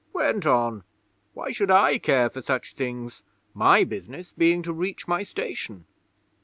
'Went on. Why should I care for such things, my business being to reach my station?